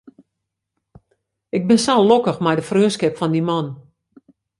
Ik bin sa lokkich mei de freonskip fan dy man.